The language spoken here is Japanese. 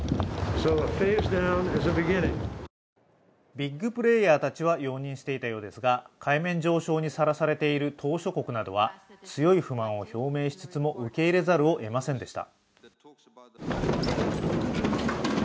ビッグプレーヤーたちは容認していたようですが海面上昇にさらされている島しょ国などは強い不満を表明しつつも受け入れざるをえませんでした。